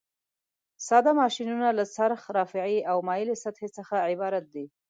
ساده ماشینونه له څرخ، رافعې او مایلې سطحې څخه عبارت دي.